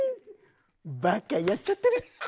バカやっちゃってる！